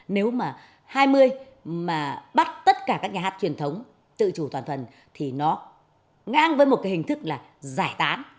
nếu mà hai mươi mà bắt tất cả các nhà hát truyền thống tự chủ toàn phần thì nó ngang với một cái hình thức là giải tán